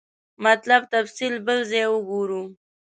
مطلب تفصیل بل ځای وګورو.